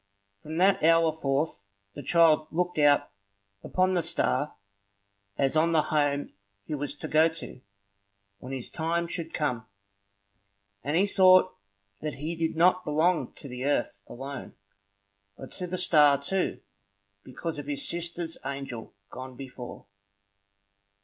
From that hour forth the child looked out upon the star as on the home he was to go to, when his time should come; and he thought that he did not belong to the earth alone, but to the star too, because of his sister's angel gone before.